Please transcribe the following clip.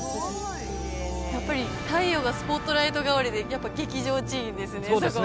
やっぱり太陽がスポットライト代わりで劇場寺院ですね